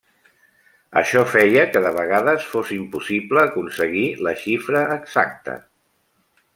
Això feia que de vegades fos impossible aconseguir la xifra exacta.